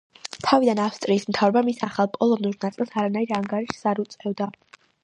თავიდან ავსტრიის მთავრობა მის ახალ პოლონურ ნაწილს არანაირ ანგარიშს არ უწევდა.